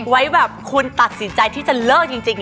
ไว้แบบคุณตัดสินใจที่จะเลิกจริง